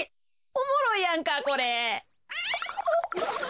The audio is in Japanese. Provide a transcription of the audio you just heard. おもろいやんかこれ。